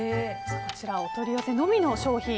こちらお取り寄せのみの商品